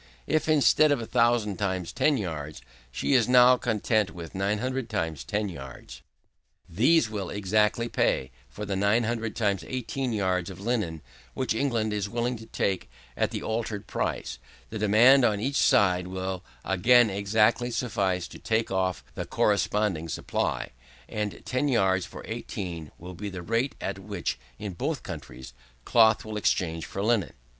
If, instead of 1000 times 10 yards, she is now contented with 900 times ten yards, these will exactly pay for the 900 times 18 yards of linen which England is willing to take at the altered price: the demand on each side will again exactly suffice to take off the corresponding supply; and 10 yards for 18 will be the rate at which, in both countries, cloth will exchange for linen.